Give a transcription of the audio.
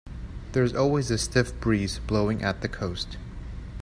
There's always a stiff breeze blowing at the coast.